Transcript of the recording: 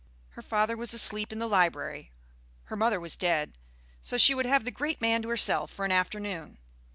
Her father was asleep in the library, her mother was dead; so she would have the great man to herself for an afternoon.